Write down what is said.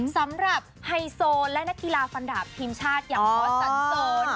ไฮโซและนักกีฬาฟันดาบทีมชาติอย่างฮอสสันเสริญ